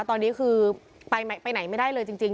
ตอนนี้คือไปไหนไม่ได้เลยจริง